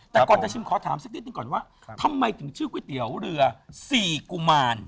แต่ก่อนจะชิมขอถามสักนิดหนึ่งก่อนว่าทำไมถึงชื่อก๋วยเตี๋ยวเรือ๔กุมาร